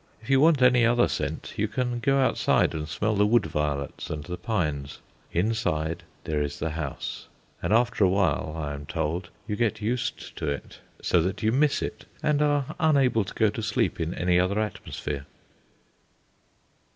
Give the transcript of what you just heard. If you want any other scent, you can go outside and smell the wood violets and the pines; inside there is the house; and after a while, I am told, you get used to it, so that you miss it, and are unable to go to sleep in any other atmosphere.